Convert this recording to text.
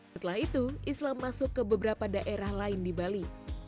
setelah itu islam masuk ke beberapa daerah lain di bali